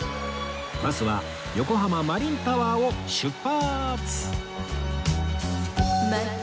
バスは横浜マリンタワーを出発！